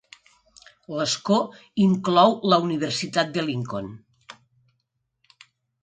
L'escó inclou la Universitat de Lincoln.